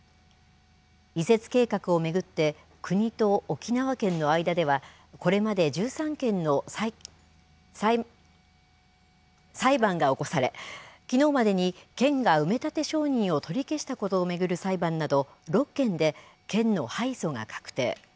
移設計画を巡って、国と沖縄県の間では、これまで１３件の裁判が起こされ、きのうまでに、県が埋め立て承認を取り消したことを巡る裁判など、６件で県の敗訴が確定。